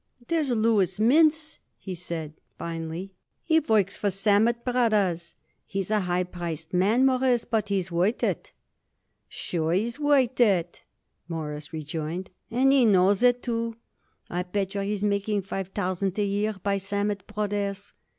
"There's Louis Mintz," he said finally. "He works by Sammet Brothers. He's a high priced man, Mawruss, but he's worth it." "Sure he's worth it," Morris rejoined, "and he knows it, too. I bet yer he's making five thousand a year by Sammet Brothers."